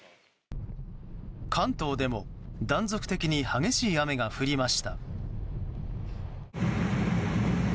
関東でも断続的に激しい雨が降りました。